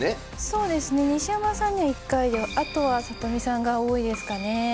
そうですね西山さんには１回であとは里見さんが多いですかね。